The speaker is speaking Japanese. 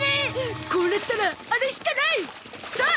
こうなったらあれしかない！さあ！